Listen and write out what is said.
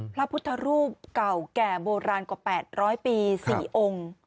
พระพุทธรูปเก่าแก่โบราณกว่า๘๐๐ปี๔องค์